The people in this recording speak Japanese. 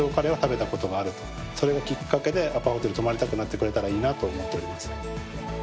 それがきっかけでアパホテルに泊まりたくなってくれたらいいなと思っております。